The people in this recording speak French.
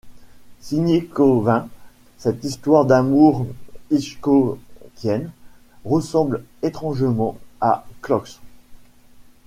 Signée Cauvin, cette histoire d’amour hitchcockienne ressemble étrangement à Klotz.